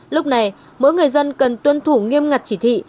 lúc này mỗi người dân cần tuân thủ nghiêm ngặt chỉ thị